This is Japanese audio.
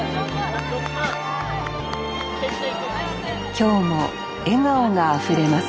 今日も笑顔があふれます